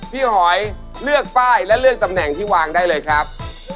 หอยเลือกป้ายและเลือกตำแหน่งที่วางได้เลยครับ